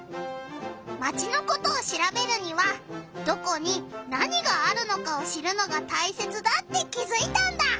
マチのことをしらべるにはどこに何があるのかを知るのがたいせつだって気づいたんだ！